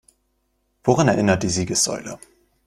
Woran erinnert die Siegessäule?